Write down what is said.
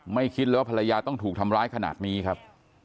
คิดเลยว่าภรรยาต้องถูกทำร้ายขนาดนี้ครับ